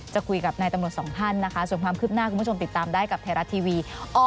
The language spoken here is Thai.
จะคุยกับนายตำรวจสองท่านนะคะส่วนความคืบหน้าคุณผู้ชมติดตามได้กับไทยรัฐทีวี